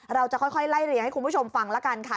เราจะค่อยไล่เรียงให้คุณผู้ชมฟังแล้วกันค่ะ